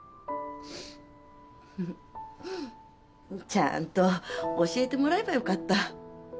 フフちゃんと教えてもらえばよかった。